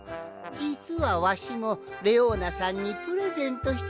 じつはわしもレオーナさんにプレゼントしてもらったんじゃ！